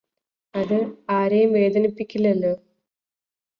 അത് ആരെയും വേദനിപ്പിക്കില്ലല്ലോ